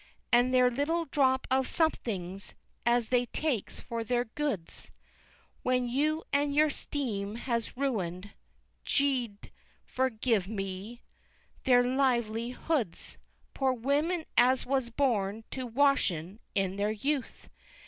And their Little drop of Somethings as they takes for their Goods, When you and your Steem has ruined (G d forgive mee) their lively Hoods, Poor Wommen as was born to Washing in their youth!